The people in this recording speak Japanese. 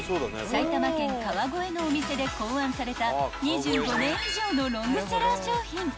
埼玉県川越のお店で考案された２５年以上のロングセラー商品］